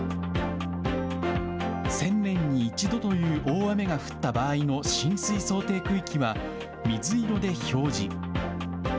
１０００年に１度という大雨が降った場合の浸水想定区域は水色で表示。